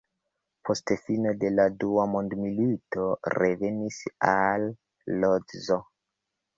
Post fino de la dua mondmilito revenis al Lodzo.